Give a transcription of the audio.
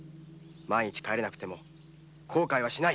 万一帰れなくても後悔はしない。